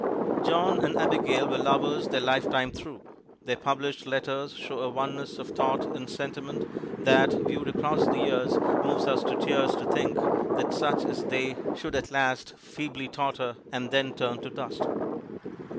John and Abigail were lovers their lifetime through. Their published letters show a oneness of thought and sentiment that, viewed across the years, moves us to tears to think that such as they should at last feebly totter, and then turn to dust.